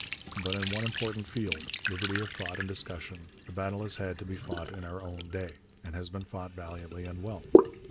But in one important field, liberty of thought and discussion, the battle has had to be fought in our own day, and has been fought valiantly and well.